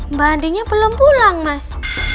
mbak andinya belum pulang mas